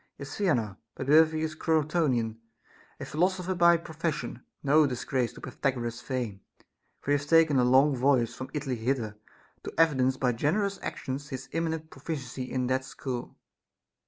393 miaSj is Theanor ; by birth he is a Crotonian, a philoso pher by profession, no disgrace to Pythagoras's fame ; for he hath taken a long voyage from Italy hither, to evi dence by generous actions his eminent proficiency in that school.